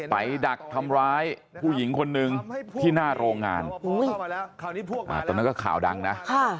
ดักทำร้ายผู้หญิงคนนึงที่หน้าโรงงานตอนนั้นก็ข่าวดังนะ